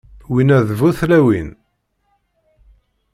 Winna d bu tlawin.